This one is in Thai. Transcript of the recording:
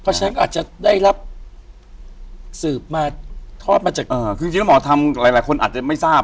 เพราะฉะนั้นอาจจะได้รับสืบมาทอดมาจากคือจริงแล้วหมอทำหลายคนอาจจะไม่ทราบ